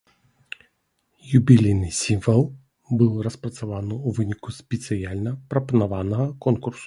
Юбілейны сімвал быў распрацаваны ў выніку спецыяльна прапанаванага конкурсу.